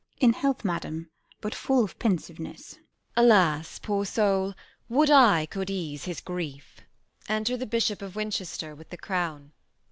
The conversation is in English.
Mess. In health, madam, but full of pensiveness. Q. Isab. Alas, poor soul, would I could ease his grief! Enter the BISHOP OF WINCHESTER _with the crown.